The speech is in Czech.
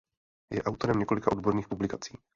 Je autorem několika odborných publikací.